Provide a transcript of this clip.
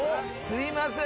すいません。